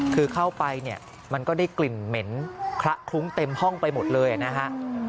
คือเข้าไปเนี่ยมันก็ได้กลิ่นเหม็นคละคลุ้งเต็มห้องไปหมดเลยนะฮะ